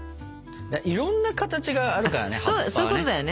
いろんな形があるからね